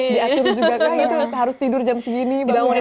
diatur juga kah gitu harus tidur jam segini bangunin ibu